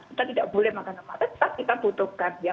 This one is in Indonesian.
kita tidak boleh makan lemak tetap kita butuhkan ya